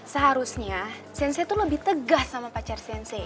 seharusnya sensei tuh lebih tegas sama pacar sensei